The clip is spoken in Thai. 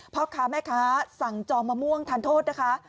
เพราะคะแม่คะสั่งจองมะม่วงทานโทษนะคะ